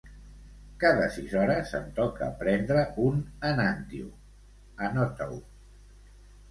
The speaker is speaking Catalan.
Cada sis hores em toca prendre un Enantyum, anota-ho.